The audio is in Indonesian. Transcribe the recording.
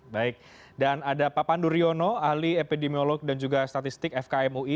baik dan ada pak pandu riono ahli epidemiolog dan juga statistik fkm ui